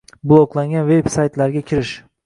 Bloklangan veb-saytlarga kirish